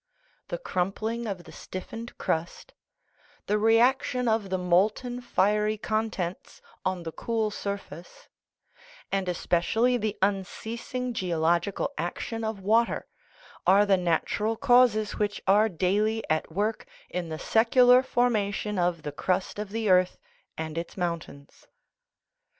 The crumpling of the stiffened crust, " the reaction of the molten fiery contents on the cool surface," and especially the unceasing geological ac tion of water, are the natural causes which are daily at work in the secular formation of the crust of the earth and its mountains.